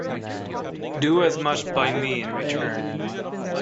Do as much by me in return.